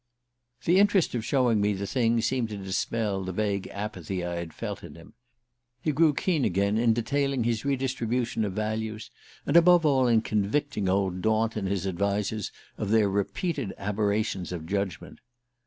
The interest of showing me the things seemed to dispel the vague apathy I had felt in him. He grew keen again in detailing his redistribution of values, and above all in convicting old Daunt and his advisers of their repeated aberrations of judgment.